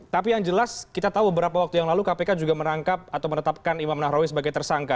tapi yang jelas kita tahu beberapa waktu yang lalu kpk juga menangkap atau menetapkan imam nahrawi sebagai tersangka